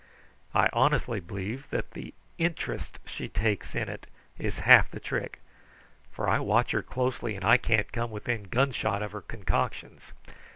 I honestly believe that the INTEREST she takes in it is half the trick, for I watch her closely and I can't come within gunshot of her concoctions.